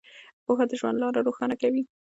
پوهه د ژوند لاره روښانه کوي.